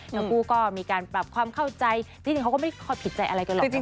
แล้วก็มีการปรับความเข้าใจจริงเขาก็ไม่พิดใจอะไรกันหรอกนะคุณ